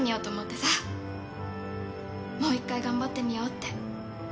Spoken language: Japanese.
もう１回頑張ってみようって。